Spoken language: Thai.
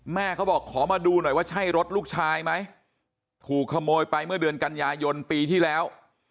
แม่เขาบอกขอมาดูหน่อยว่าใช่รถลูกชายไหมถูกขโมยไปเมื่อเดือนกันยายนปีที่แล้ว